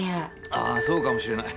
ああそうかもしれない。